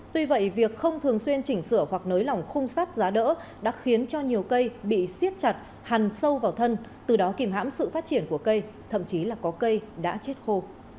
tuy vậy việc không thường xuyên chỉnh sửa hoặc nới lỏng khung sắt giá đỡ đã khiến cho nhiều cây bị siết chặt hẳn sâu vào thân từ đó kìm hãm sự phát triển của cây thậm chí là có cây đã chết khô